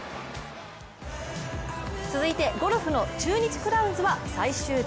続いてゴルフの中日クラウンズは最終日。